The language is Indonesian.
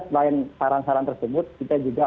selain saran saran tersebut kita juga